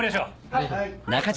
はい！